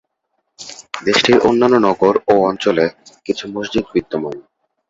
দেশটির অন্যান্য নগর ও অঞ্চলে কিছু মসজিদ বিদ্যমান।